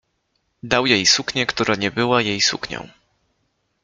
Dał jej suknię, która nie była jej suknią.